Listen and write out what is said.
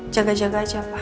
jaga jaga aja pa